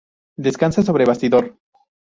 Descansa sobre bastidor.